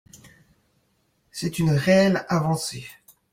C’est une réelle avancée.